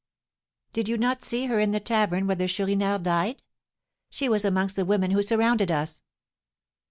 "Did you not see her in the tavern where the Chourineur died? She was amongst the women who surrounded us."